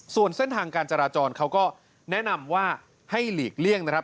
ส่วนเส้นทางการจราจรเขาก็แนะนำว่าให้หลีกเลี่ยงนะครับ